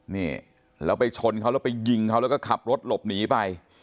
นี่แล้วไปชนเขาแล้วไปยิงเขาแล้วก็ขับรถหลบหนีไป